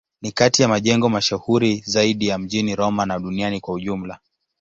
Ni kati ya majengo mashuhuri zaidi mjini Roma na duniani kwa ujumla.